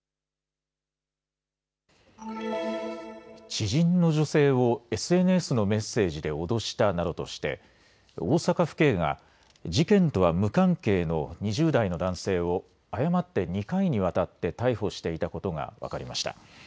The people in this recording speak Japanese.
知人の女性をＳＮＳのメッセージで脅したなどとして大阪府警が事件とは無関係の２０代の男性を誤って２回にわたって逮捕していたことが分かりました。